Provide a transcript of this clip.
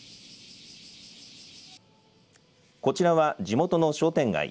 こちらは地元の商店街。